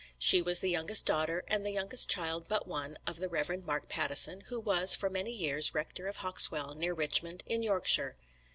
She was the youngest daughter, and the youngest child but one, of the Rev. Mark Pattison, who was for many years Rector of Hauxwell, near Richmond, in Yorkshire.